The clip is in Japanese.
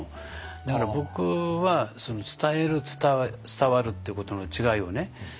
だから僕は伝える伝わるってことの違いをね